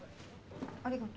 ありがと。